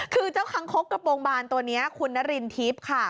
คือเจ้าคังคกกระโปรงบานตัวนี้คุณนรินทิพย์ค่ะ